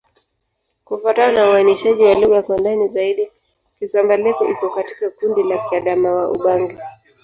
Kufuatana na uainishaji wa lugha kwa ndani zaidi, Kisamba-Leko iko katika kundi la Kiadamawa-Ubangi.